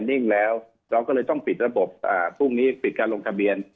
นิ่งแล้วเราก็เลยต้องปิดระบบพรุ่งนี้ปิดการลงทะเบียน